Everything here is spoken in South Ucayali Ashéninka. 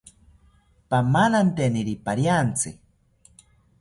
Pamananteniri pariantzi